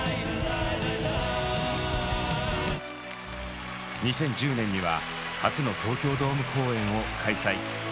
２０１０年には初の東京ドーム公演を開催。